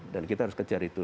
dan kita harus mengejar itu